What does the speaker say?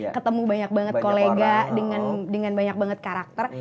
ketemu banyak banget kolega dengan banyak banget karakter